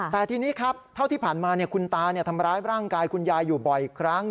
แต่ทีนี้ครับเท่าที่ผ่านมาคุณตาทำร้ายร่างกายคุณยายอยู่บ่อยครั้ง